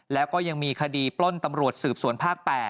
แล้วก็ยังมีคดีปล้นตำรวจสืบสวนภาค๘